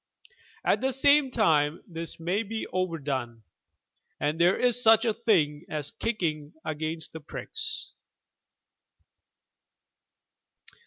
At the same time this may be overdone, and there is such a thing as "Kicking against the pricks."